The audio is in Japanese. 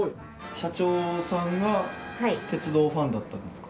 社長さんが鉄道ファンだったんですか？